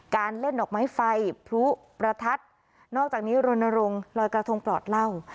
เล่นดอกไม้ไฟพลุประทัดนอกจากนี้รณรงค์ลอยกระทงปลอดเหล้า